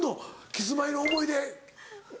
キスマイの思い出消すの？